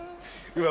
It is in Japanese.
うわ